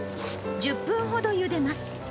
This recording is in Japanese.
１０分ほどゆでます。